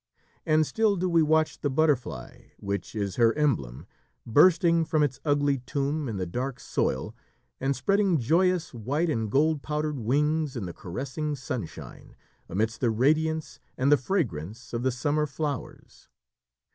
And still do we watch the butterfly, which is her emblem, bursting from its ugly tomb in the dark soil, and spreading joyous white and gold powdered wings in the caressing sunshine, amidst the radiance and the fragrance of the summer flowers.